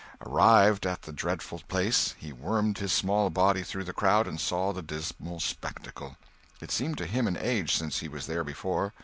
Arrived at the dreadful place, he wormed his small body through the crowd and saw the dismal spectacle. It seemed to him an age since he was there before.